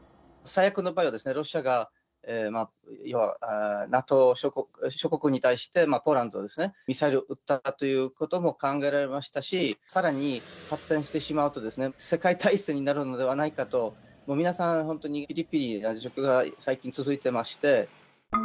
最悪の場合は、ロシアがＮＡＴＯ諸国に対して、ポーランドですね、ミサイル撃ったかということも考えられましたし、さらに発展してしまうと、世界大戦になるのではないかと、皆さん、本当にぴりぴり、状況が最近続いていまして。